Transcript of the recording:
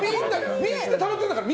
みんなたまってるんだから。